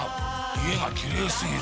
家がきれいすぎる。